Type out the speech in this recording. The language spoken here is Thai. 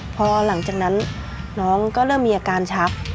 พอหลังจากนั้นน้องก็เริ่มมีอาการชัก